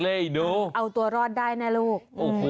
เอาตัวรอดได้นะลูก